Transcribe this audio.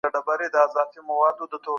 سالم ذهن غوسه نه جوړوي.